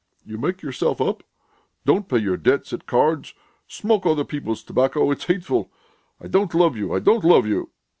You make yourself up, don't pay your debts at cards, smoke other people's tobacco.... It's hateful! I don't love you ... I don't love you!"